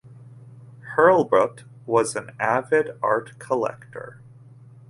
Hurlbut was an avid art collector.